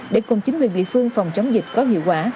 để cùng chính quyền địa phương phòng chống dịch có hiệu quả